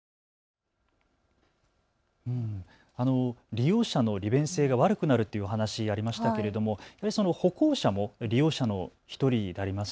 利用者の利便性が悪くなるっていうお話ありましたけれども歩行者も利用者の１人になります